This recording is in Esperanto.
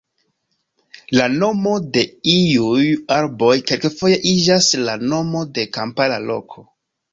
La nomo de iuj arboj kelkfoje iĝas la nomo de kampara loko.